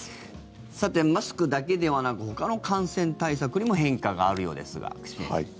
さて、マスクだけではなくほかの感染対策にも変化があるようですが久住先生。